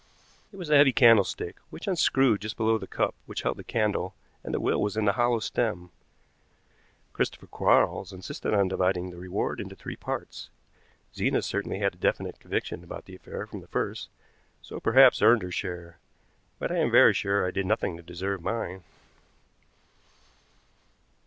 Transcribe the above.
It was a heavy candlestick which unscrewed just below the cup which held the candle, and the will was in the hollow stem. Christopher Quarles insisted on dividing the reward into three parts. Zena certainly had had a definite conviction about the affair from the first, so perhaps earned her share; but I am very sure I did nothing to deserve mine.